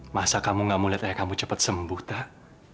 masa kamu nggak melihat ay kamu cepat sembuh tak